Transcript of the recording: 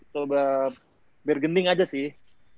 coba bergending aja sih